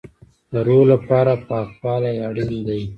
د روح لپاره پاکوالی اړین دی